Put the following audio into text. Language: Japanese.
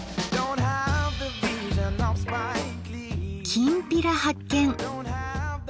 「きんぴら」発見！